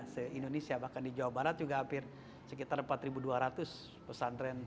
se indonesia bahkan di jawa barat juga hampir sekitar empat dua ratus pesantren